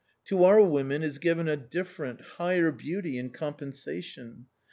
To our women is given* a different, higher beauty in compensation.